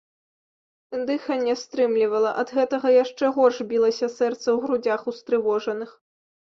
Дыханне стрымлівала, ад гэтага яшчэ горш білася сэрца ў грудзях устрывожаных.